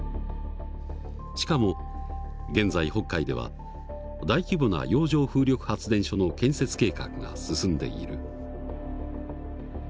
しかも現在北海では大規模な洋上風力発電所の建設計画が進んでいる。